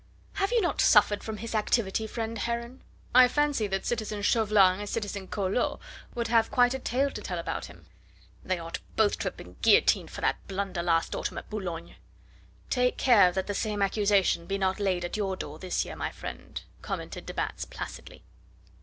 Have you not suffered from his activity, friend Heron? I fancy that citizen Chauvelin and citizen Collot would have quite a tale to tell about him." "They ought both to have been guillotined for that blunder last autumn at Boulogne." "Take care that the same accusation be not laid at your door this year, my friend," commented de Batz placidly.